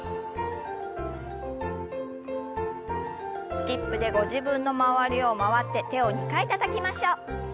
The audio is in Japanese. スキップでご自分の周りを回って手を２回たたきましょう。